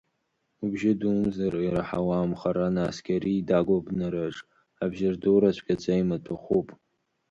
Убжьы думзар ираҳауам хара насгьы, ари идагәоу абнараҿ, абжьырдура цәгьаӡа имаҭәахәуп.